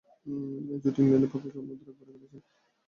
তবে এ জুটি ইংল্যান্ডের পক্ষে কেবলমাত্র একবারই খেলেছেন।